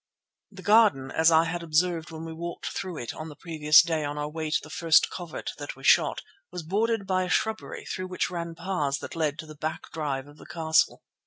The garden, as I had observed when we walked through it on the previous day on our way to the first covert that we shot, was bordered by a shrubbery through which ran paths that led to the back drive of the castle.